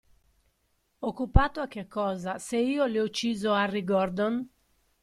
Occupato a che cosa, se io le ho ucciso Harry Gordon?